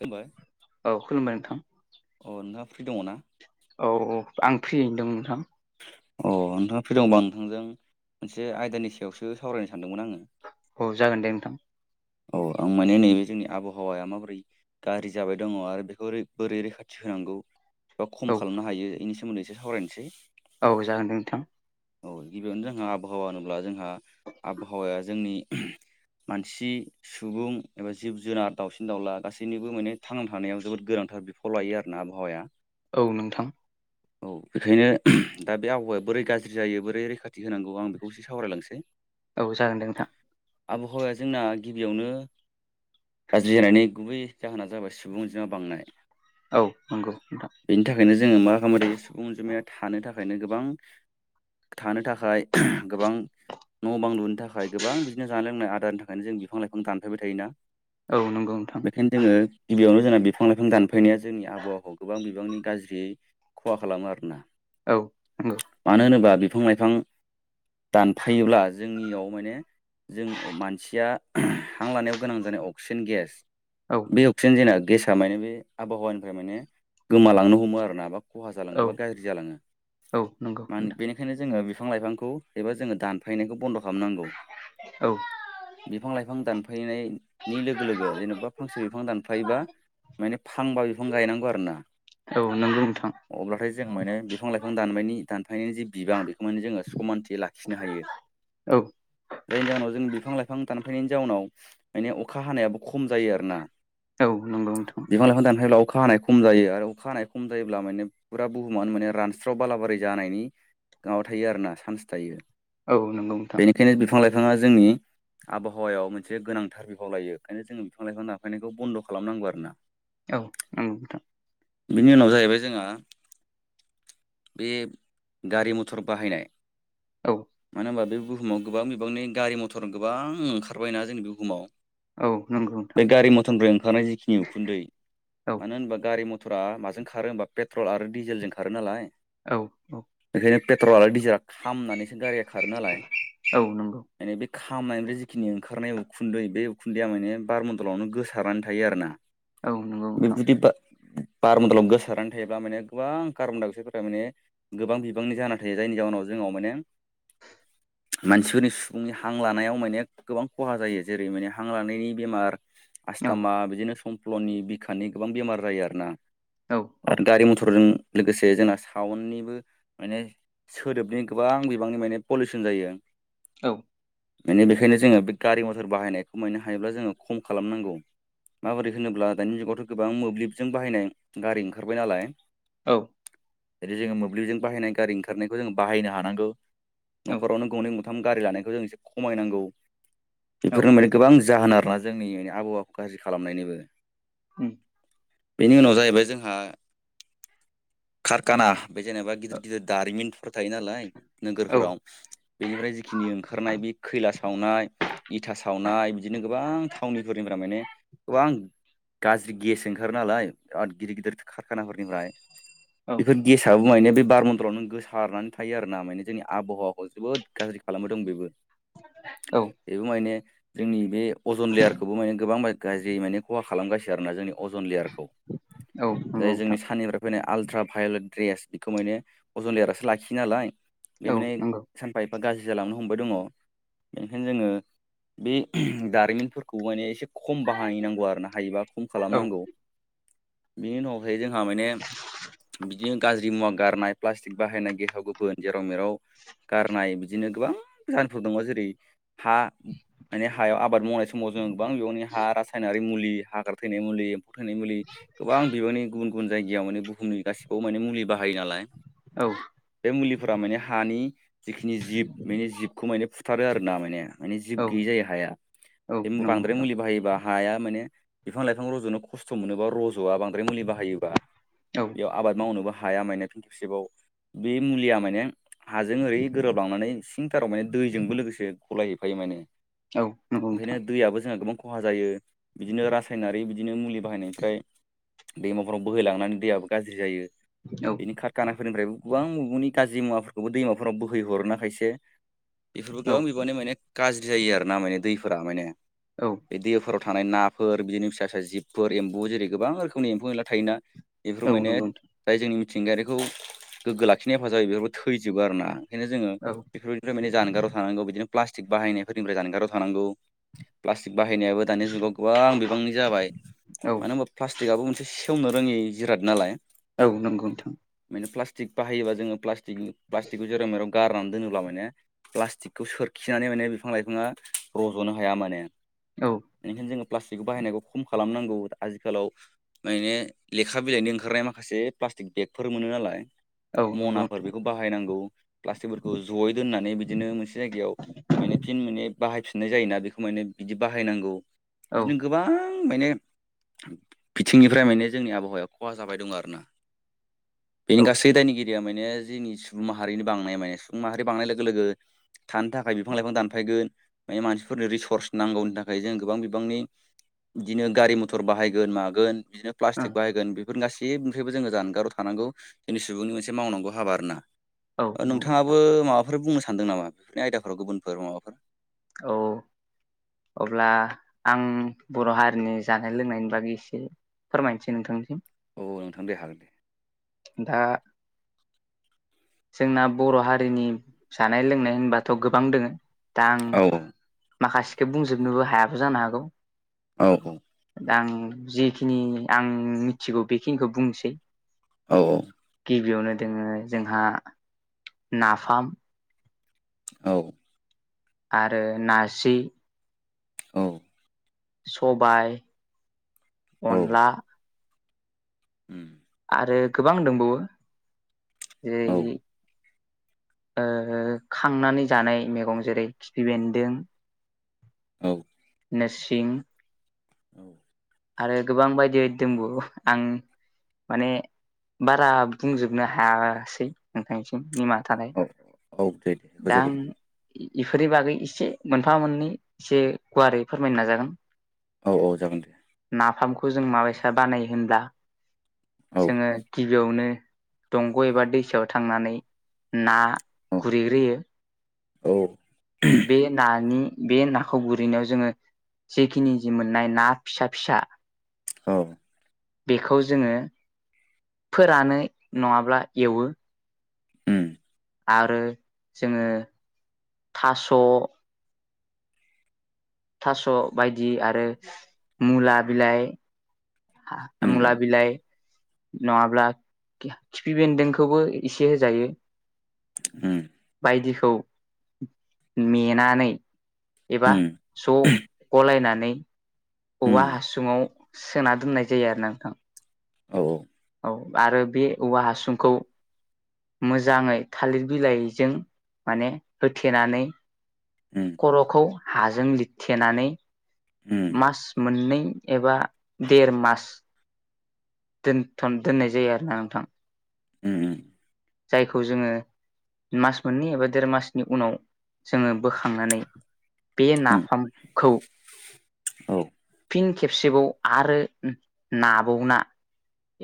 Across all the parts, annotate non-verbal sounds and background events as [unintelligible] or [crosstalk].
खुलुमबाय औ खुलुमबाय नोंथां अ नोंहा फ्रि दङ ना? औ औ आं फ्रिदों नोंथां। अ नोंथाङा फैदोंबा नोंथांजों मोनसे आयदानि सायावसो सावरायनो सानदोंमोन आङो। औ जागोन दे नोंथां। औ आं माने नैबे जोंनि आबहावाया माबोरै गाज्रि जाबाय दङ आरो बेखौ बोरै रैखाथि होन नांगौ बा खम औ खालामनो हायो बेनि सोमोन्दै एसे सावरायनोसै। औ जागोन दे नोंथां। औ गिबियावनो जोंहा आबहावा होनोब्ला जोंहा आबहावाया जोंनि मानसि सुबुं एबा जिब जुनार दावसिन दाउला गासैनिबो माने थांना थानायाव जोबोद गोरोन बिफाव लायो आरोना आबहावाया औ नोंथां औ बेखायनो दा बे आबहावाया बोरै गाज्रि जायो बोरै रैखाथि होनांगौ आं बेखौ एसो सावरायलांसै औ जागोन दे नोंथां। आबहावाया जोंना गिबियावनो गाज्रि जानायनि गुबै जाहोना जाबाय सुबुंजोंमा बांनाय। औ नंगौ नोंथां बेनि थाखायनो जोङो मा खालामो थायो सुबुं अनजिमाया थानो थाखायनो गोबां थानो थाखाय गोबां। न' बां लुनो थाखाय गोबां बिदिनो जानाय लोंनाय आदारनि थाखायनो जों बिफां लाइफां दानफैबाय थायोना? औ नंगौ नोंथां बेखायनो जोङो गिबियावनो जोंना बिफां लाइफां दानफैनाया जोंनि आबहावाखौ गोबां बिबांनि गाज्रि खहा खालामो आरोना औ नंगौ मानो होनोबा बिफां लाइफां। दानफायोब्ला जोंनियाव माने जों मानसिया हां लानायाव गोनां जानाय अक्सिजेन गेस औ बे अक्सिजेन जेना गेसा माने बे आबहावानिफ्राय माने गोमालांनो हमो आरोना बा खहा औ जालाङोबा गाज्रि जालाङो। औ नंगौ नोंथां। ओ बिफां लाइांखौ एबा जोङो दानफायनायखौ बन्द' खालामनांगौ औ बिफां लाइफां दानफायनाय नि लोगो लोगो जेनेबा फांसे बिफां दानफ्लायोबा माने फांबा बिफां गायनांगौ आरो ना। औ नंगौ नोंथां। जों मोनो बिफां लाइफां दाननायनि दानफायनायनि जि बिबां बेखौ मेने जोङो समानथि लाखिनो हायो। औ जायनि जााहनाव जों बिफां लाइफां दानफैनायनि जाउनाव माने अखा हानायाबो खम जायो आरोना। औ नंगौ नोंथां बिफां लाइफां दानफाय ब्ला। अखा हानाय खम जायो आरो अखा हानाय खम जायोब्ला माने फुरा बुहुमाव माने रानस्रा हास्राव बालाबारि जानायनि माबा थायो आरोना चान्स थायो। औ नंगौ नोंथां। बिथाङा जोंनि आबहावायाव मोनसे गोनांथार बिफाव लायो ओखायनो जोङो बिफां लाइफां दानफायनायखौ बन्द' खालामनांगौ आरो ना। औ उम नोंथां। बिनि उनाव जाहैबाय जोंहा बे गारि मथर बाहायनाय औ मानो होनबा बे बुहुमाव गोबां बिबांनि गारि मथर गोबां ओंखारबायना जोंनि बुहुमाव औ नंगौ नोंथां बे गारि मथरनिफ्राय ओंखारनाय जिखिनि उखुन्दै औ मानो होनबा गारि म थ'रा माजों खारो होमबा पेट्रल आरो डिजेलजों खारो नालाय औ औ। बे पेट्रल आरो डिजिेल खामनानैसो गारिया खारो नालाय औ नंगौ एनिबे खामनायनिफ्राय जिखिनि ओंखारनाय उखुन्दै बे उखुन्दैया माने बारमन्दलावनो गोसारनानै थायो आरो ना। औ नंगौ नोंथां। बेबायदि बारमन्दलाव गोसारनानै थायोब्ला माने गोबां कारबनदाय अक्सायदफोर थारमाने गोबां बिबांनि जाना थायो जायनि जाहोनाव जोंआव माने मानसिफोरनि सुबुंनि हां लानायाव माने गोबां खहा जायो जेरै माने हां लानायनि बेमार औ आसस्थामा बिदिनो संफ्ल'नि बिखानि गोबां बेमार जायो आरो ना। औ औ आरो गारि मथरजों लोगोसे जोंना साउननिबो माने सोदोबनि गोबां बिबांनि माने पलिउसन जायो। औ। माने बेखायनो जोङो बे गारि मथर बाहायनायखौ मायने हायोब्ला जोङो खम खालामनांगौ। माबोरै होनोब्ला दानि जुगावथ' गोबां मोब्लिबजों बाहायनाय गारि ओंखारबाय नालाय औ जदि जोङो मोब्लिबजों बाहायनाय गारि ओंखारनायखौ जोङो बाहायनो हानांगौ नखरावनो गंनै थाम गारि लानायखौ जों एसे खमायनांगौ औ बेफोरनि गोबां जाहोन आरोना जोंनि आबहावाखौ गाज्रि खालामनायनिबो उम। बेनि उनाव जाहैबाय जोंहा कारखाना बे जेनेबा गिदिर गिदिर दारिमिनफोर थायो नालाय नोगोरफोराव बेनिफ्राय जिखिनि ओंखारनाय बे खैला सावनाय इथा सावनाय बिदिनो गोबां थावनिफोरनिफ्राय माने गोबां गाज्रि गेस ओंखारो नालाय बिराद गिदिर गिदिर खारखानाफोरनिफ्राय औ बेफोर गेसाबो मायने बे बार मन्दलाव नों गोसारनानै थायो आरोना माने जोंनि आबहावाखौ जोबोद गाज्रि खालामबोदोंं बेबो। बेबो मायने जोंनि बे अजन लेयारखौबो माने गोबां गाज्रि माने खहा खालामगासिनो आरोना जोंनि अजन लेयारखौ नंगौ जाय नोंथां जोंनि साननिफ्राय फैनो आल्ट्रा भायलेट रेस बेखौ माने अजन लेयारासो लाखियो नालाय बे औ माने नंगौ सानफा एफा फा गाज्रि जालांनो हमबाय दङ। बेनिखायनो जोङो बे दारिमिनफोरखौ माने एसे खम बाहायनांगौ आरो ना हायोबा खम औ खालामनांगौ बिनि उनाव ओमफाय जोंहा माने बिदिनो गाज्रि मुवा गारनाय प्लास्टिक बाहायनाय गेसाव गोफोन जेराव मेराव गारनाय बिदिनो गोबां जाहोनफोर दङ जेरै हा माने हायाव आबाद मावनाय समाव जों गोबां बिबांनि हा रासायनारि मुलि हाग्रा थैनाय मुलि फौ थैनाय मुलि गोबां बिबांनि गुबुन गुबुन जायगायाव माने बुहुमनि गासिबावबो माने मुलि बाहायो नालाय औ बे मुलिफोरा माने हानि जिखिनि जिब बेनि जिबखौ माने फुथारो आरोना माने माने जिब औ गैयै जायो हाया औ बे नंगौ बांद्राय नोंथां मुलि बाहायोबा हाया माने बिफां लाइफां रज'नो खस्थ' मोनोबा रज'आ बांद्राय मुलि बाहायोबा औ बेयाव आबाद मावनोबो हाया माने खनसेबाव बे मुलिया माने हाजों ओरै गोरोबलांनानै सिंथाराव माने दैजोंबो लोगोसे गलायहैफायो माने औ नंगौ ओंखायनो नोंथां दैयाबो जोंहा गोबां खहा जायो बिदिनो रासायनारि बिदिनो मुलि बाहायनायनिफ्राय दैमाफोराव बोहैलांनानै दैयाबो गाज्रि जायो औ बेनि कारखाना फोरनिफ्रायबो गोबां मुगुंनि गाज्रि मुवाफोरखौबो दैमाफोराव बोहै हरोना खायसे बेफोरबो औ गोबां बिबांनि माने गाज्रि जायो आरोना माने दैफोरा माने औ बे दैफोराव थानाय नाफोर बिदिनो फिसा फिसा जिबफोर एम्बु जेरै गोबां रोखोमनि एम्फौ एनला थायोना बेफोर औ माने नंगौ नोंथां जाय जोंनि मिथिंगायारिखौ गोग्गो लाखिनाय हेफाजाब जायो बेफोरफोरखौ थैजोबो आरो ना बेखायनो जोङो औ बेफोरबायनिफ्राय माने जानगाराव थानांगौ बिदिनो प्लासटिक बाहायनायफोरनि फ्राय जानगाराव थानांगौ प्लासटिक बाहायनायाबो दानि जुगाव गोबां बिबांनि जाबाय औ मानो होनबा प्लास्टिकाबो मोनसे सेवनो रोङि जिराद नालाय औ नंगौ नोंथां प्लास्टिक बाहायोबा जोङो प्लासटिक प्लास्टिकखौ जेरा मेराव गारनानै दोनोब्ला माने प्लास्टिकखौ सोरखिनानै माने बिफां लाइफाङा रज'नो हाया माने औ बेनिखायनो जोङो प्लास्टिक बाहायनायखौ खम खालामनांगौ आथिखालाव माने लेखा बिलाइनि ओंखारनाय माखासे प्लास्टिक बेगफोर मोनो नालाय औ नंगौ मनाफोर बेखौ बाहायनांगौ प्लास्टिकफोरखौ जयै दोननानै बिदिनो मोनसे जायगायाव माने फिन माने बाहायफिननाय जायोना बेखौ माने बिदि बाहायनांगौ औ बिदिनो गोबां माने बिथिंनिफ्राय माने जोंनि आबहावाया खहा जाबाय दं आरोना बेनि औ गासै दायनिगिरिया माने जोंनि सुबुं माहारिनि बांनाया माने सुबुं माहारि बांनाय लोगो लोगो थानो थाखाय बिफां लाइफां दानफायगोन माने मानसिफोरनो रिसर्स नांगौनि थाखाय जों गोबां बिबांनि बिदिनो गारि मथर बाहायगोन मागोन बिदिनो प्लास्टिक बाहायगोन बेफोर गासिबनिफ्रायबो जोङो जानगाराव थानांगौ जोंनि सुबुंनि मोनसे मावनांगौ हाबा आरोना औ ओ नंगौ नोंथां नोंथाङाबो माबाफोर बुंनो सानदों नामा बेफोरनि आयदाफोराव गुबुनफोर माबाफोर औ अब्ला आं बर' हारिनि जानाय लोंनायनि बागै एसे फोरमायनोसै नोंथांनिसिम औ औ नोंथां दे हागोन दे दा जोंना बर' हारिनि जानाय लोंनाय होनबाथ' गोबां दोङो दा आं औ माखासेखौ बुंजोबनोबो हायाबो जानो हागौ औ औ दा आं जेखिनि आं मिथिगौ बेखिनिखौ बुंनोसै औ औ गिबियावनो दोङो जोंहा नाफाम औ आरो नाजि औ सबाय अनला। उम्म आरो गोबां दंबावो जेरै। [unintelligible] ओ खांनानै जानाय मैगं जेरै खिफि बेन्दों। औ नोसिं औ। आरो गोबां बायदि बायदि दंबावो आं। माने बारा बुंजोबनो हायासै नोंथांनिसिम निमा औ औ औ दे दे होजोबोद। इफोरनि बागै एसे मोनफा मोननै एसे गुवारै फोरमायनो नाजागोन। औ औ जागोन दे। नाफामखौ जों माबायसा बानायो होनब्ला औ जोङो गिबियावनो। दंग एबा दैसायाव थांनानै ना औ गुरैग्रोयो। औ। बे नानि। बे नाखौ गुरहैनायाव जोङो जेखिनि जि मोननाय ना फिसा फिसा। औ बेखौ जोङो फोरानो नङाब्ला एवो। उम्म आरो जोङो थास। थास बायदि आरो मुला बिलाइ। मुला उम बिलाइ। नङाब्ला खिफि बेन्दोंखौबो एसे होजायो। उम्म बायदिखौ मेनानै। एबा उम ज गलायनानै औवा उम हासुङाव। सोना दोननाय जायो आरो ना नोंथां। औ औ। औ आरो बे औवा हासुंखौ। मोजाङै थालिर बिलाइजों माने होथेनानै। उम खरखौ हाजों लिरथेनानै उम मास। मोननै एबा देर मास। दोनथ दोननाय जायो आरोना नोंथां। उम्म उम्म। जायखौ जोङो। मास मोननै एबा देर मासनि उनाव जोङो बोखांनानै। बे उम नाफामखौ। औ फिन खेबसेबाव आरो नाबौना।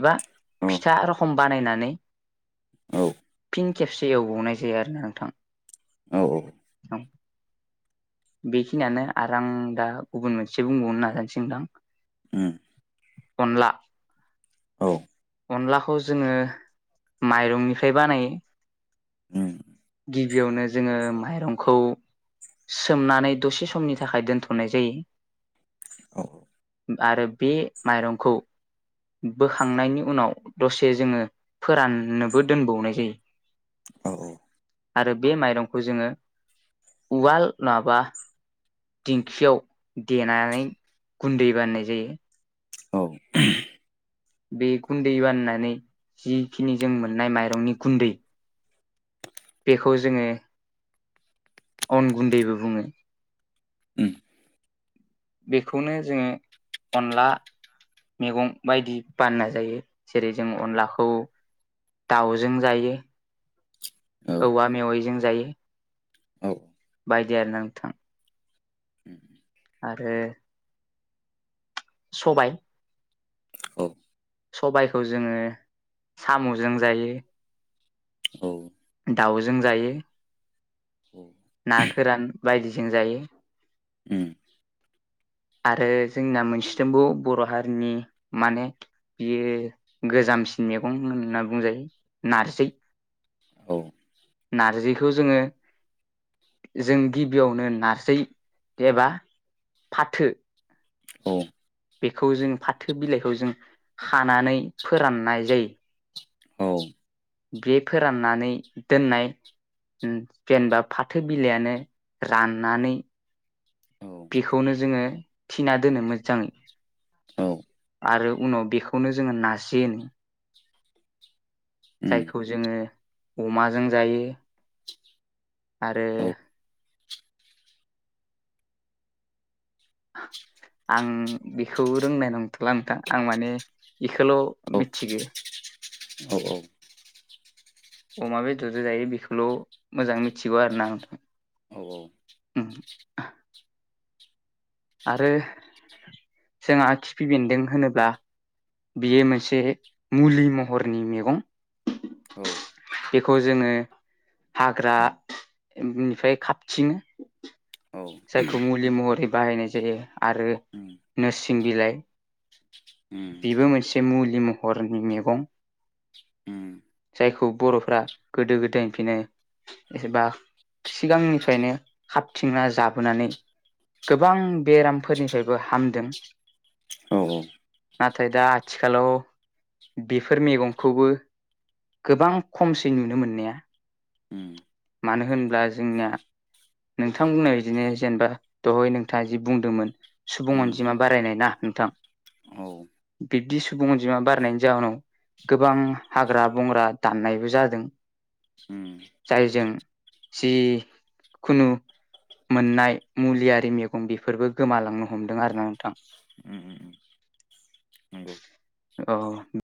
एबा औ फिथा रखम बानायनानै। औ। फिन खेबसे एवबावनाय जायो आरोना नोंथां। औ औ। औ बेखिनियानो आरो आं दा गुबुन मोनसे बुंबावनो नाजानोसै नोंथां। उम्म। अनला। औ। अनलाखौ जोङो माइरंनिफ्राय बानायो। उम गिबियावनो जोङो माइरंखौ सोमनानै दसे समनि थाखाय दोनथ'नाय औ जायो। आरो बे माइरंखौ बोखांनायनि उनाव दसे जोङो फोराननोबो दोनबावनाय जायो। [inaudible] आरो बे माइरंखौ जोङो उवाल नंङाबा दिंखियाव देनानै गुन्दै बानायनाय जायो। औ बे गुन्दै बाननानै जिखिनि जों मोननाय माइरंनि गुन्दै बेखौ जोङो अन गुन्दैबो बुङो। उम बेखौनो जोङो अनला मैगं बायदि बानायना जायो। जेरै जों अनलाखौ दाउजों जायो औ औवा मेवाइजों जायो। औ बायदि आरोना नोंथां उम आरो सबाय औ सबायखौ जोङो साम'जों जायो। औ दाउजों जायो। औ फोरान बायदिजों जायो। ओम आरो जोंना मोनसेथिंबो बर' हारिनि माने बियो गोजामसिन मैगं होनना बुंजायो नारजि औ औ नारजिखौ जोङो जों गिबियावनो नारजै एबा फाथो औ बेखौ जों फाथो बिलाइखौ जों खानानै फोराननाय जायो। औ औ बे फोराननानै दोननाय ओम जेनेबा फाथो बिलाइयानो राननानै बेखौनो जोङो थिना दोनो मोजाङै। आरो उनाव बेखौनो जोङो नारजि होनो। जायखौ जोङो अमाजों जायो। आरो आं बेखौ रोंनाय नंथ'ला नोंथां आं माने बेखौल' औ मिथिगौ। अमा बेदरजो' जायो बेखौल' मोजां मिथिगौ आरोना नोंथां। औ आरो जोंहा खिफि बेन्दों होनोब्ला बेयो मोनसे मुलि महरनि मैगं बेखौ जोङो हाग्रानिफ्राय खाबथिङो। जायखौ मुलि महरै बाहायनाय जायो आरो उम नोरसिं बिलाइ उम उम बेबो मोनसे मुलि महरनि मैगं जायखौ बर'फ्रा गोदो गोदायनिफ्रायनो एबा सिगांनिफ्रायनो खाबथिंना जाबोनानै गोबां बेरामफोरनिफ्रायबो हामदों। औ औ नाथाय दा आथिखालाव बेफोर मैगंखौबो गोबां खमसै नुनो मोननाया। उम मानो होनब्ला जोंनिया नोंथां बुंनाय बिदिनो जेनेबा दहाय नोंथाङा जि बुंदोंमोन सुब उम अनजिमा बारायनाय ना नोंथां। [inaudible] बिब्दि सुबुं अनजिमा बारनायनि जाहोनाव गोबां हाग्रा बंग्रा दाननायबो जादों। उम। जों जि खुनु मोननाय मुलियारि मैगं बेफोरबो गोमालांनो हमदों आरोना नोंथां। उम उम। नंगौ अ।